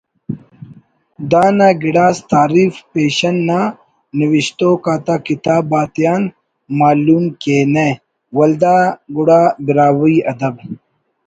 دانا گڑاس تعریف پیشن نا نوشتوک آتا کتاب آتیان معلوم کینہ ولدا گڑا براہوئی ادب